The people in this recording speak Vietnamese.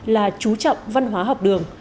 là chú trọng văn hóa học đường